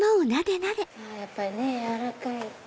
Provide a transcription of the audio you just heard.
やっぱりね柔らかい。